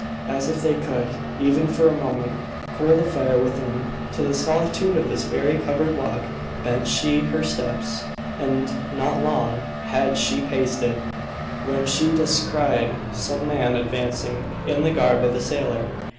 As if they could, even for a moment, cool the fire within! To the solitude of this very covered walk bent she her steps; and, not long had she paced it, when she descried some man advancing, in the garb of a sailor.